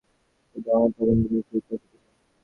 আমার দেহমনকে প্রবল টান দিলে সেই ক্লাসের দিকে।